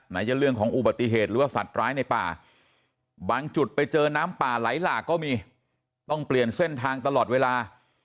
จะเรื่องของอุบัติเหตุหรือว่าสัตว์ร้ายในป่าบางจุดไปเจอน้ำป่าไหลหลากก็มีต้องเปลี่ยนเส้นทางตลอดเวลา